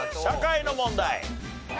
社会の問題。